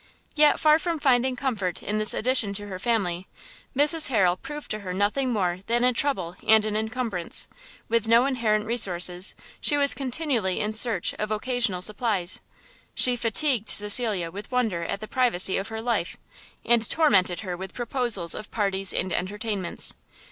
Yet far from finding comfort in this addition to her family, Mrs Harrel proved to her nothing more than a trouble and an incumbrance; with no inherent resources, she was continually in search of occasional supplies; she fatigued Cecilia with wonder at the privacy of her life, and tormented her with proposals of parties and entertainments.